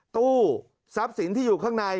ตู้ทรัพย์สินที่อยู่ข้างใน